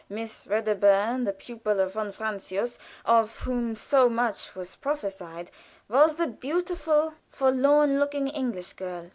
Miss Wedderburn, the pupil of von Francius, of whom so much was prophesied, was the beautiful, forlorn looking English girl.